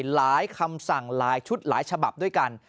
คำสั่งหลายชุดหลายฉบับด้วยกัน